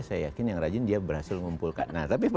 saya yakin yang rajin dia berhasil ngumpulkan